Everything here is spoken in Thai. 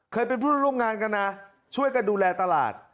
เคยเป็นผู้ร่วมงานกันนะช่วยกันดูแลตลาด